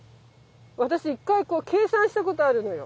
私１回計算したことあるのよ。